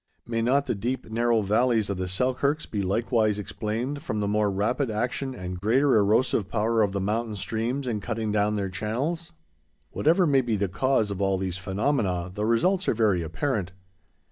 May not the deep, narrow valleys of the Selkirks be likewise explained from the more rapid action and greater erosive power of the mountain streams in cutting down their channels? Whatever may be the cause of all these phenomena, the results are very apparent.